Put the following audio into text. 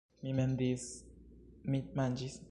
Mi mendis... mi manĝis